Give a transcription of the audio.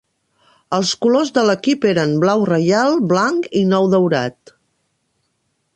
Els colors de l'equip eren blau reial, blanc i nou daurat.